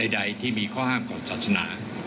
ใดที่มีข้อห้ามของศาสนา